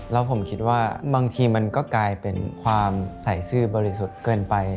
แล้วผมคิดว่าบางทีมันก็กลายเป็นความใส่ซื่อบริสุทธิ์เกินไป